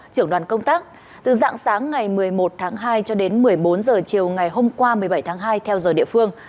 trưởng đoàn công tác từ dạng sáng ngày một mươi một tháng hai cho đến một mươi bốn h chiều ngày hôm qua một mươi bảy tháng hai theo giờ địa phương